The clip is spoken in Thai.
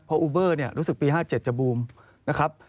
เพราะอูเบอร์เนี้ยรู้สึกปีห้าเจ็ดจะบูมนะครับ